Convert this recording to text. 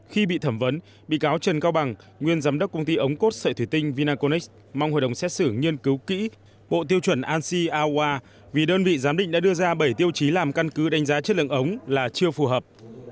khi bị thẩm vấn bị cáo trần cao bằng nguyên giám đốc công ty ống cốt sợi thủy tinh vinaconex mong hội đồng xét xử nghiên cứu kỹ bộ tiêu chuẩn anc aoua vì đơn vị giám định đã đưa ra bảy tiêu chí làm căn cứ đánh giá chất lượng ống là chưa phù hợp